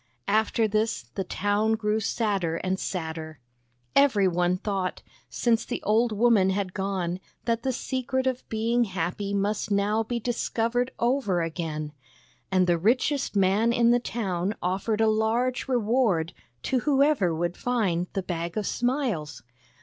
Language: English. After this the town grew sadder and sadder. Every one thought, since the old woman had gone, that the secret of being happy must now be discovered over again; and the richest man in the town offered a large reward to whoever would find the Bag of Smiles.